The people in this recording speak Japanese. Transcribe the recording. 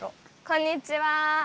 こんにちは！